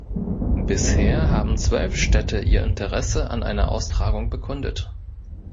Bisher haben zwölf Städte ihr Interesse an einer Austragung bekundet.